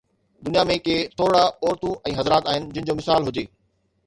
دنيا ۾ ڪي ٿورڙا عورتون ۽ حضرات آهن جن جو مثال هجي.